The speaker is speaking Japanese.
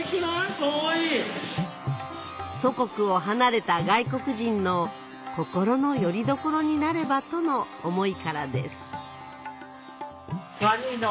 かわいい・祖国を離れた外国人の心のよりどころになればとの思いからです